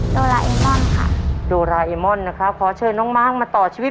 โพธิรัตนะโพธิรัตนะโพธิรัตนะโพธิ